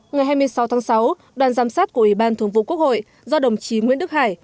ngày hai mươi sáu tháng sáu đoàn giám sát của ủy ban thường vụ quốc hội do đồng chí nguyễn đức hải